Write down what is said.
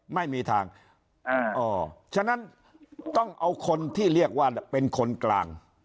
ไม่มีทางฉะนั้นต้องเอาคนที่เรียกว่าเป็นคนกลาง